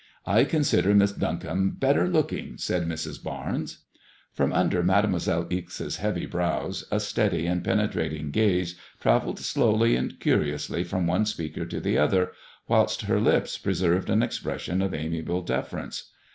^'I consider Miss Duncombe better looking," said Mrs. Barnes. Prom undo: Mademoiselle Ixe's heavy brows a steady and penetrating gaie travelled slowly and curiously from one speaker to the other, whilst her lips pre served an expression of amiable deference.